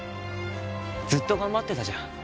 ずっと頑張ってたじゃん